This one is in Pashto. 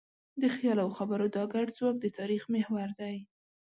د خیال او خبرو دا ګډ ځواک د تاریخ محور دی.